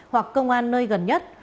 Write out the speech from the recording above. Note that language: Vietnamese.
hoặc công an nơi gần nhất